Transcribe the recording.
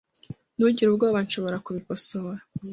Ntugire ubwoba .Nshobora kubikosora .